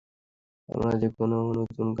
আমরা যেকোনও নতুন একটা ব্যবহার করতে পারবো, স্যার।